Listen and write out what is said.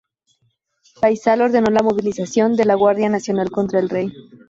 Fáisal ordenó la movilización de la Guardia Nacional contra el Rey.